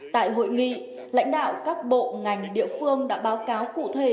tại hội nghị lãnh đạo các bộ ngành địa phương đã báo cáo cụ thể